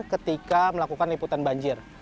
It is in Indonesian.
ketika melakukan liputan banjir